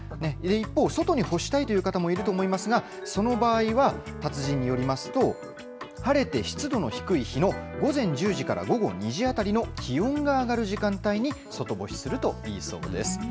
一方、外に干したいという方もいると思いますが、その場合は、達人によりますと、晴れて湿度の低い日の午前１０時から午後２時あたりの気温が上がる時間帯に外干しするといいそうです。